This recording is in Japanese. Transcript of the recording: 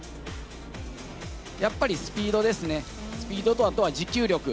やっぱりスピードですね、スピードとあとは持久力。